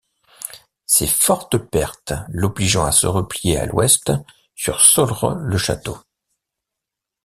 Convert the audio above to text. Ses fortes pertes l'obligeant à se replier à l'ouest sur Solre-le-Château.